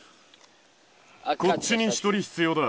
こっちに１人必要だ。